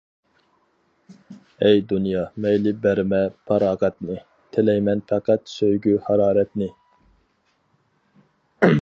ئەي دۇنيا مەيلى بەرمە پاراغەتنى، تىلەيمەن پەقەت سۆيگۈ ھارارەتنى.